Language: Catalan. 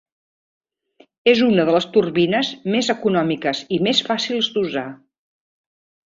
És una de les turbines més econòmiques i més fàcils d'usar.